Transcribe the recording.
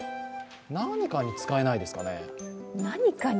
何かに使えないですかね。